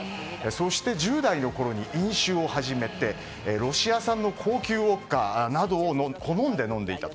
そして１０代のころに飲酒を始めてロシア産の高級ウォッカなどを好んで飲んでいたと。